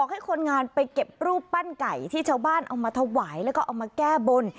ให้คนงานไปเก็บรูปปั้นไก่ที่ชาวบ้านเอามาถวายแล้วก็เอามาแก้บน